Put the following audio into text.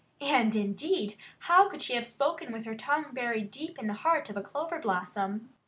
And indeed, how could she have spoken with her tongue buried deep in the heart of a clover blossom?